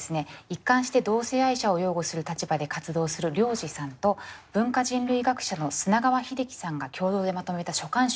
一貫して同性愛者を擁護する立場で活動するＲＹＯＪＩさんと文化人類学者の砂川秀樹さんが共同でまとめた書簡集なんですね。